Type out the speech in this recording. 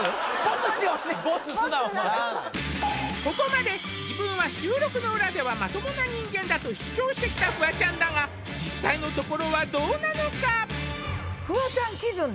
ここまで自分は収録の裏ではまともな人間だと主張してきたフワちゃんだが実際のところはどうなのか？